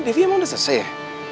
devi emang udah selesai ya